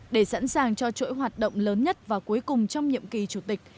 để sẵn sàng cho chuỗi hoạt động lớn nhất và cuối cùng trong nhiệm kỳ chủ tịch